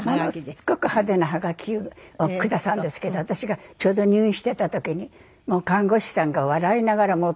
ものすごく派手なはがきをくださるんですけど私がちょうど入院してた時に看護師さんが笑いながら持ってくるんですよ。